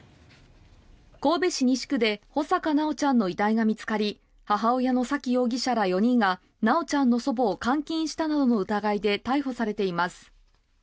神戸市西区で穂坂修ちゃんの遺体が見つかり母親の沙喜容疑者ら４人が修ちゃんの祖母を監禁したなどの疑いで逮捕されています。